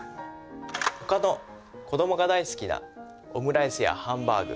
他の子どもが大好きなオムライスやハンバーグ